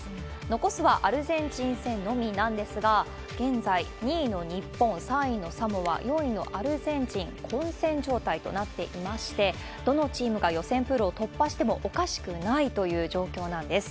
残すはアルゼンチン戦のみなんですが、現在２位の日本、３位のサモア、４位のアルゼンチン、混戦状態となっていまして、どのチームが予選プールを突破してもおかしくないという状況なんです。